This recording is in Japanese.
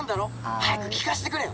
早く聞かせてくれよ！